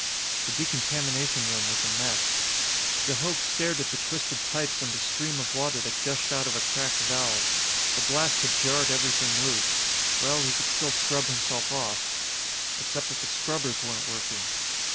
The decontamination room was a mess. De Hooch stared at the twisted pipes and the stream of water that gushed out of a cracked valve. The blast had jarred everything loose. Well, he could still scrub himself off. Except that the scrubbers weren't working.